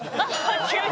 急に？